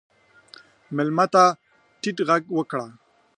مېلمه ته ټیټ غږ وکړه.